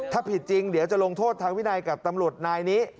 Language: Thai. ถ้าผิดจริงเดี๋ยวจะลงโทษทางวินัยกับตำรวจนายนี้